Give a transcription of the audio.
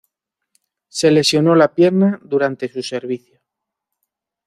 Se lesionó la pierna durante su servicio.